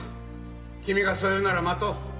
君がそう言うなら待とう。